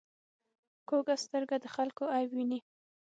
کوږه سترګه د خلکو عیب ویني